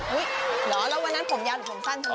หรอแล้ววันนั้นผมยาวหรือผมสั้น